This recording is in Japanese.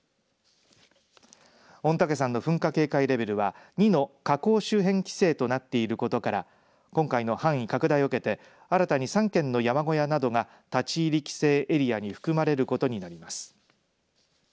御嶽山の噴火警戒レベルは２の火口周辺規制となっていることから今回の範囲拡大を受けて新たに３軒の山小屋などが立ち入り規制エリアに含まれることになります。